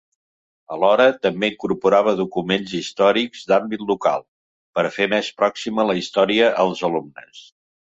Alhora, també incorporava documents històrics d'àmbit local, per fer més pròxima la història als alumnes.